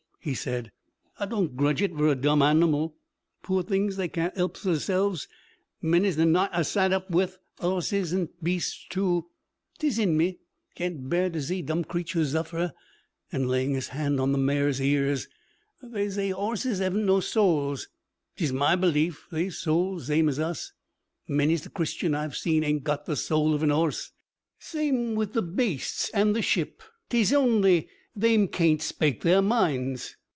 he said. 'Ah, don't grudge it vur a dumb animal. Poor things they can't 'elp theirzelves. Many's the naight ah've zat up with 'orses and beasts tu. 'T es en me can't bear to zee dumb creatures zuffer.' And laying his hand on the mare's ears, 'They zay 'orses 'aven't no souls. 'T es my belief they've souls zame as us. Many's the Christian ah've seen ain't got the soul of an 'orse. Same with the beasts an' the ship; 't es only they'm can't spake their minds.'